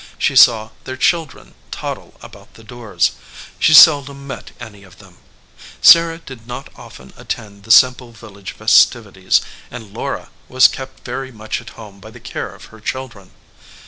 She saw their children toddle about the doors. She seldom met any of them. Sarah did not often attend the simple village festivities, and Laura was kept very much at home by the care of her children.